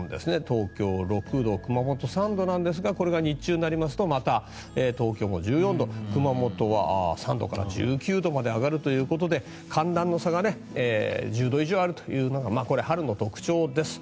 東京、６度熊本、３度なんですがこれが日中になりますとまた東京も１４度熊本は３度から１９度まで上がるということで寒暖の差が１０度以上あるというのがこれは春の特徴です。